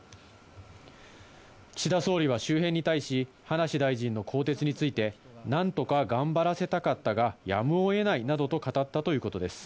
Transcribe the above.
岸田総理は周辺に対し、葉梨大臣の更迭について、なんとか頑張らせたかったがやむをえないなどと語ったということです。